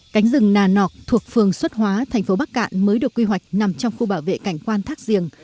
cánh rừng nà nọc thuộc phường xuất hóa thành phố bắc cạn mới được quy hoạch nằm trong khu bảo vệ cảnh quan thác giềng